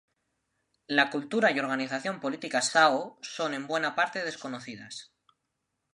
La cultura y organización política sao son en buena parte desconocidas.